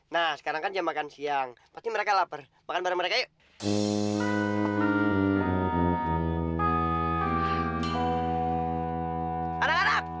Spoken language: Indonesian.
nah sekarang kan jam makan siang pasti mereka lapar makan bareng mereka yuk